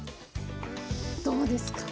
どうですか？